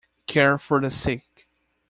Care for the sick.